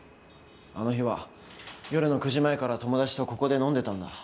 あの日は夜の９時前から友達とここで飲んでたんだ。